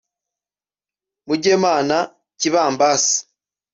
Mugemana Kibambasi